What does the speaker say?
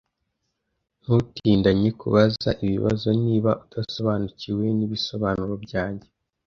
Ntutindiganye kubaza ibibazo niba udasobanukiwe nibisobanuro byanjye.